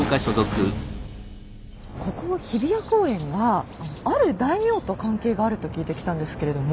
ここ日比谷公園がある大名と関係があると聞いて来たんですけれども。